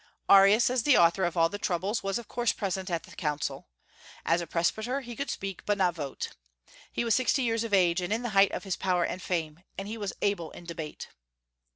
Arius, as the author of all the troubles, was of course present at the council. As a presbyter he could speak, but not vote. He was sixty years of age, and in the height of his power and fame, and he was able in debate.